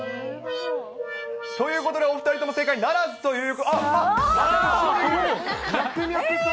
ということで、お２人とも正解ならずという。